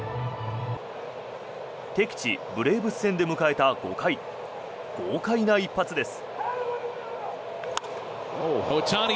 敵地ブレーブス戦で迎えた５回豪快な一発です。